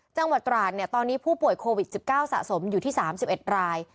จังหวัดตราดเนี่ยตอนนี้ผู้ป่วยโควิดสิบเก้าสะสมอยู่ที่สามสิบเอ็ดราย